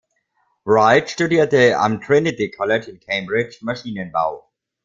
Wright studierte am Trinity College in Cambridge Maschinenbau.